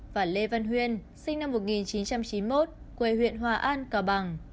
và lê văn huyên sinh năm một nghìn chín trăm chín mươi một quê huyện hòa an cao bằng